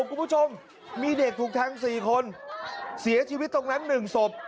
คุณผู้ชมมีเด็กถูกแทง๔คนเสียชีวิตตรงนั้น๑ศพ